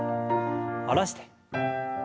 下ろして。